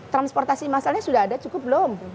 transportasi masalnya sudah ada cukup belum